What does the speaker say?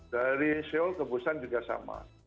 dari seoul ke busan juga sama